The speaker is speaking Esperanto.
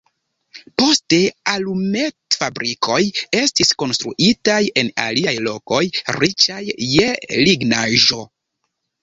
Poste alumetfabrikoj estis konstruitaj en aliaj lokoj, riĉaj je lignaĵo.